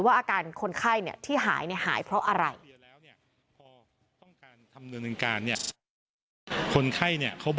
อาการคนไข้ที่หายหายเพราะอะไร